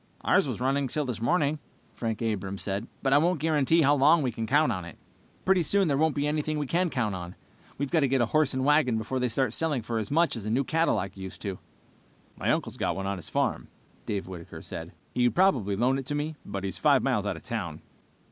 "Ours was still running this morning," Frank Abrams said, "but I won't guarantee how long we can count on it." "Pretty soon there won't be any we can count on. We've got to get a horse and wagon before they start selling for as much as a new Cadillac used to." "My uncle's got one on his farm," said Dave Whitaker. "He would probably loan it to me, but he's five miles out of town."